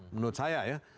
menurut saya ya